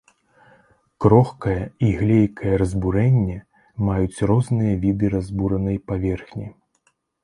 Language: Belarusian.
Крохкае і глейкае разбурэнне маюць розныя віды разбуранай паверхні.